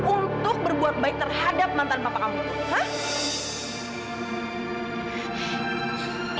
untuk berbuat baik terhadap mantan papa kamu itu hah